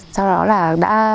sau đó là đã